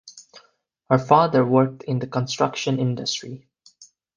Her father worked in the construction industry.